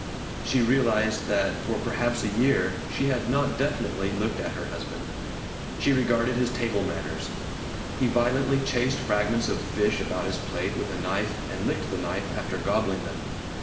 She realized that for perhaps a year she had not definitely looked at her husband. She regarded his table manners. He violently chased fragments of fish about his plate with a knife and licked the knife after gobbling them.